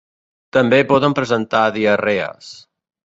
També poden presentar diarrees.